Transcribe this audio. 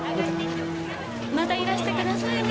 またいらしてくださいね。